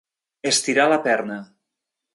Estirar la perna.